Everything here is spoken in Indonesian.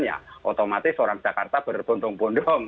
ya otomatis orang jakarta berbondong bondong